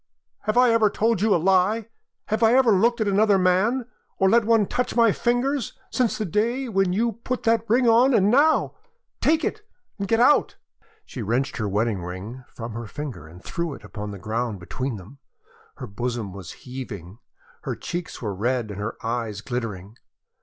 Have I ever told you a lie? Have I ever looked at another man, or let one touch my fingers, since the day when you put that ring on? And now take it and get out!" She wrenched her wedding ring from her finger and threw it upon the ground between them. Her bosom was heaving; her cheeks were red and her eyes glittering.